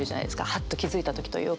ハッと気付いた時というか。